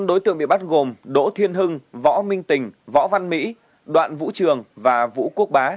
năm đối tượng bị bắt gồm đỗ thiên hưng võ minh tình võ văn mỹ đoạn vũ trường và vũ quốc bá